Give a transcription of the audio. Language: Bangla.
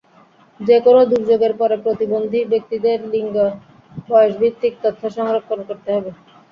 যেকোনো দুর্যোগের পরে প্রতিবন্ধী ব্যক্তিদের লিঙ্গ, বয়সভিত্তিক তথ্য সংরক্ষণ করতে হবে।